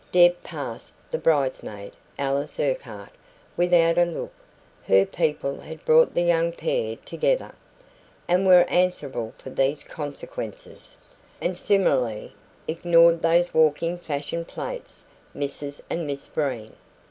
Deb passed the bridesmaid, Alice Urquhart, without a look her people had brought the young pair together, and were answerable for these consequences and similarly ignored those walking fashion plates, Mrs and Miss Breen.